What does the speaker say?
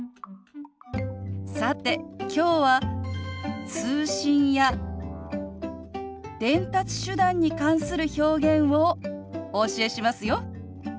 さてきょうは通信や伝達手段に関する表現をお教えしますよ。